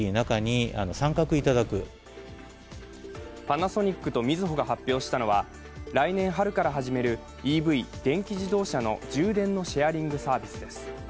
パナソニックとみずほが発表したのは、来年春から始めるＥＶ＝電気自動車の充電のシェアリングサービスです。